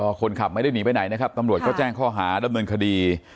คนขับไม่ได้หนีไปไหนนะครับตำรวจก็แจ้งข้อหาดำเนินคดี